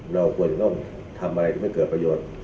เราควรต้องทำอะไรที่ไม่เกิดประโยชน์